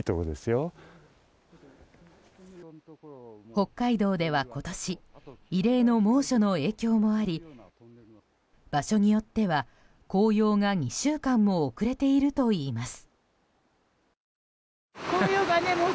北海道では、今年異例の猛暑の影響もあり場所によっては紅葉が２週間も遅れているといいます。